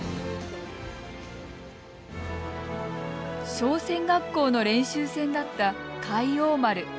商船学校の練習船だった海王丸。